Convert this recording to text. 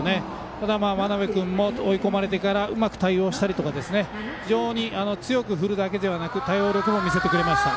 ただ、真鍋君も追い込まれてからうまく対応したりとか非常に強く振るだけではなく対応力も見せてくれました。